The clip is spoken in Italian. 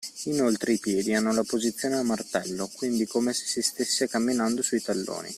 Inoltre i piedi hanno la posizione a martello, quindi come se si stessa camminando sui talloni.